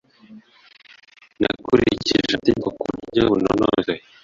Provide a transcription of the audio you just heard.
nakurikije amategeko ku buryo bunonosoye